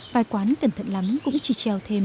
vài quán cẩn thận lắm cũng chỉ treo thêm